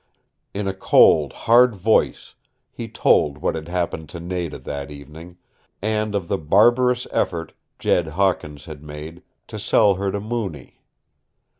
In a cold, hard voice he told what had happened to Nada that evening, and of the barbarous effort Jed Hawkins had made to sell her to Mooney.